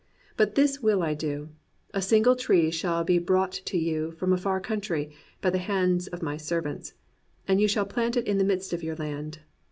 But this will I do : a single tree shall be brought to you from a far country by the hands of my servants, and you shall plant it in the midst of your land.